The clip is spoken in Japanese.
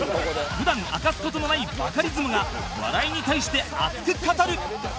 普段明かす事のないバカリズムが笑いに対して熱く語る